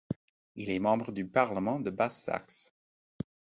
Il est membre du parlement de Basse-Saxe.